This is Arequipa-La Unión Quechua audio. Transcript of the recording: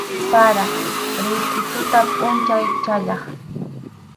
Para, ritʼi tuta pʼunchaw chayaq.